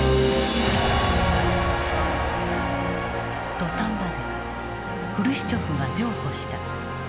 土壇場でフルシチョフが譲歩した。